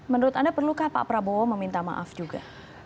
menurut anda perlukah pak prabowo meminta maaf juga